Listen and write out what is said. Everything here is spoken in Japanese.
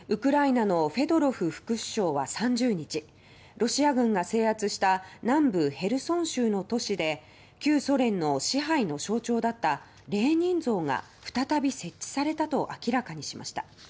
ウクライナのフェドロフ副首相は３０日ロシア軍が制圧した南部ヘルソン州の都市で旧ソ連の支配の象徴だったレーニン像が再び設置されたと明らかにしました。